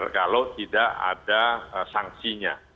kalau tidak ada sanksinya